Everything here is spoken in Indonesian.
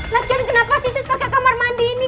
lagi kan kenapa sih sus pake kamar mandi ini